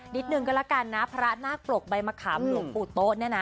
นิดนึงก็แล้วกันนะพระนาคปรกใบมะขามหลวงปู่โต๊ะเนี่ยนะ